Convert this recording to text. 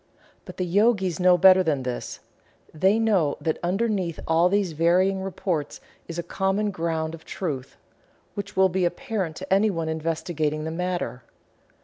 But the Yogis know better than this. They know that underneath all these varying reports there is a common ground of truth, which will be apparent to anyone investigating the matter.